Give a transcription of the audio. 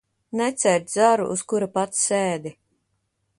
Necērt zaru, uz kura pats sēdi.